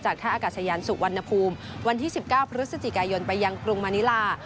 ท่าอากาศยานสุวรรณภูมิวันที่๑๙พฤศจิกายนไปยังกรุงมานิลา